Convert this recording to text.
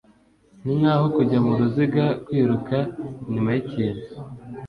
ninkaho kujya muruziga, kwiruka inyuma yikintu